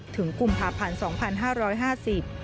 ถึงกลุ่มภาพันธ์๒๕๕๐